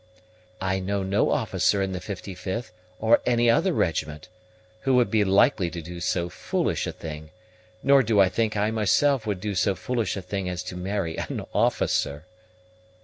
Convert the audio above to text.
"I know no officer in the 55th, or any other regiment, who would be likely to do so foolish a thing; nor do I think I myself would do so foolish a thing as to marry an officer."